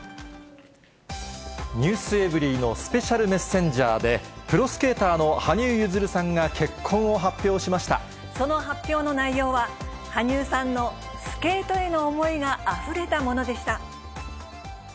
ｎｅｗｓｅｖｅｒｙ．のスペシャルメッセンジャーでプロスケーターの羽生結弦さんが結婚をその発表の内容は、羽生さんのスケートへの思いがあふれたものでした。